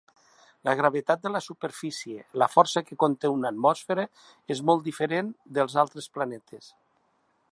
La gravetat de la superfície, la força que conté una atmosfera, és molt diferent dels altres planetes.